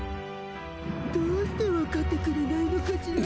どうして分かってくれないのかしら。